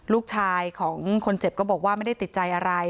ลูกชายของคนเจ็บก็บอกว่าไม่ได้ติดใจอะไร